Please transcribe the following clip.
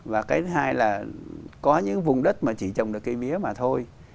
và cái thứ hai là có những vùng đất mà chỉ trồng được cây mía mà thôi